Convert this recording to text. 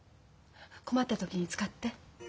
困った時に使って。